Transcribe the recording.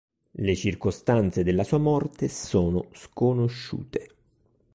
Le circostanze della sua morte sono sconosciute.